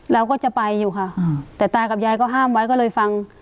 เราก็จะไปอยู่ค่ะแต่ตากับยายก็ห้ามไว้ก็เลยฟัง